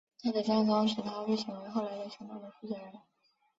他的战功使他被选为后来的行动的负责人。